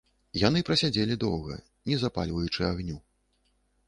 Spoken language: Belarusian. Яны праседзелі доўга, не запальваючы агню.